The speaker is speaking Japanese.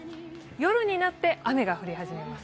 夜になって雨が降り始めます。